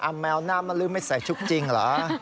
แมวหน้ามันลืมไม่ใส่ชุดจริงเหรอ